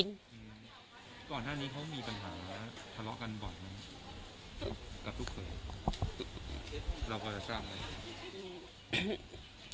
ก่อนหน้านี้เขามีปัญหาทะเลาะกันบ่อยมั้ยกับลูกเขย